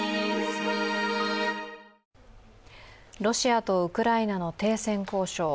ロシアとウクライナの停戦交渉。